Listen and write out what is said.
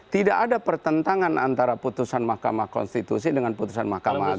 tidak ada pertentangan antara putusan mahkamah konstitusi dengan putusan mahkamah agung